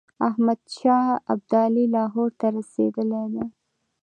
احمدشاه ابدالي لاهور ته رسېدلی دی.